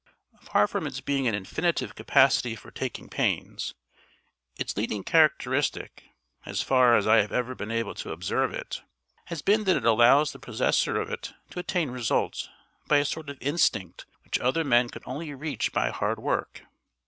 Far from its being an infinite capacity for taking pains, its leading characteristic, as far as I have ever been able to observe it, has been that it allows the possessor of it to attain results by a sort of instinct which other men could only reach by hard work.